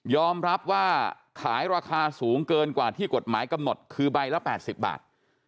รับว่าขายราคาสูงเกินกว่าที่กฎหมายกำหนดคือใบละ๘๐บาท